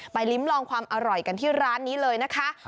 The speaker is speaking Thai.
ลิ้มลองความอร่อยกันที่ร้านนี้เลยนะคะ